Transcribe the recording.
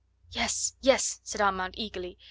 "Yes, yes!" said Armand eagerly.